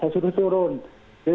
saya sudah turun dari atas ambulan